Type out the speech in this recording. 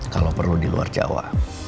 kalau perlu di luar jawa